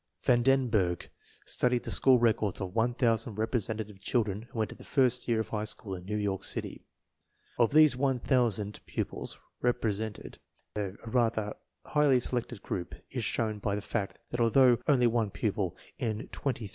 Van Denburg studied the school records of 1000 representative children who entered the first year of high school in New York City. That these 1000 pupils represented a rather highly selected group is shown by the fact that although only one pupil in twenty three 1 Strayer, G.